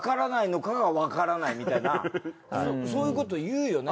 みたいなそういうこと言うよな。